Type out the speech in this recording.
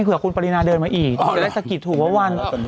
เผื่อคุณปริณาเดินมาอีกจะได้ศักดิ์ถูกเพราะวัน